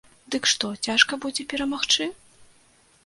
Дык што, цяжка будзе перамагчы?